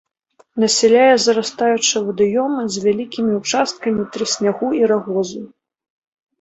Насяляе зарастаючыя вадаёмы з вялікімі ўчасткамі трыснягу і рагозу.